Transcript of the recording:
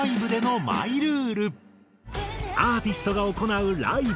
アーティストが行うライブ。